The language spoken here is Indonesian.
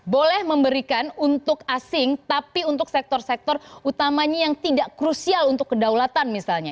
boleh memberikan untuk asing tapi untuk sektor sektor utamanya yang tidak krusial untuk kedaulatan misalnya